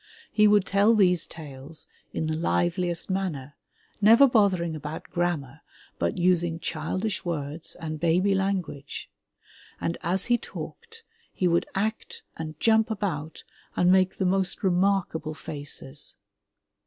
He would tell these tales in the liveliest manner, never bothering about grammar but using childish words and baby language, and as he talked he would act and jump about and make the most remarkable faces.